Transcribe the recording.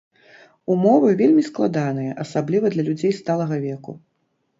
Умовы вельмі складаныя, асабліва для людзей сталага веку.